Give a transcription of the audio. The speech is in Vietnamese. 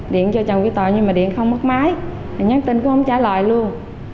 điện cho trang quy tòa nhưng mà điện không có giảm